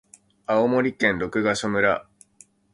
青森県六ヶ所村